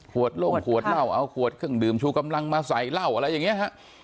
ล่มขวดเหล้าเอาขวดเครื่องดื่มชูกำลังมาใส่เหล้าอะไรอย่างนี้ฮะ